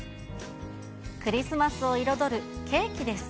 クリスマスを彩るケーキです。